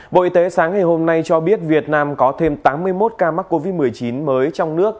bộ y tế sáng ngày hôm nay cho biết việt nam có thêm tám mươi một ca mắc covid một mươi chín mới trong nước